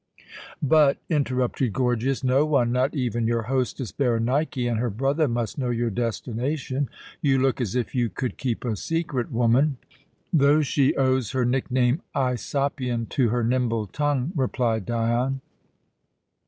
"But," interrupted Gorgias, "no one, not even your hostess Berenike and her brother, must know your destination. You look as if you could keep a secret, woman." "Though she owes her nickname Aisopion to her nimble tongue," replied Dion.